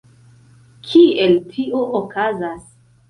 Kiel tio okazas?